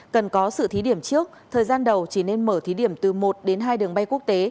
cần có sự thí điểm trước thời gian đầu chỉ nên mở thí điểm từ một đến hai đường bay quốc tế